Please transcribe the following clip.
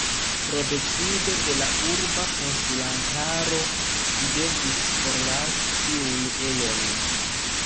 Pro decido de la urba konsilantaro ĝi devis forlasi tiun ejon.